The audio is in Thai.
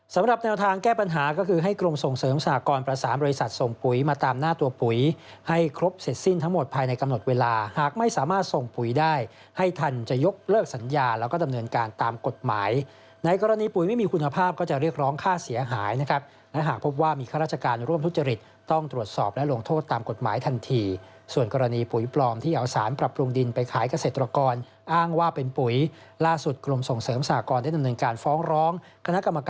สำหรับแนวทางแก้ปัญหาก็คือให้กรมส่งเสริมสหกรประสามบริษัทส่งปุ๋ยมาตามหน้าตัวปุ๋ยให้ครบเสร็จสิ้นทั้งหมดภายในกำหนดเวลาหากไม่สามารถส่งปุ๋ยได้ให้ทันจะยกเลิกสัญญาแล้วก็ดำเนินการตามกฎหมายในกรณีปุ๋ยไม่มีคุณภาพก็จะเรียกร้องค่าเสียหายนะครับและหากพบว่ามีข้าราชการร่วม